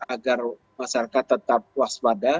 agar masyarakat tetap waspada